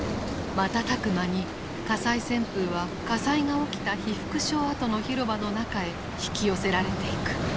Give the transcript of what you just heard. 瞬く間に火災旋風は火災が起きた被服廠跡の広場の中へ引き寄せられていく。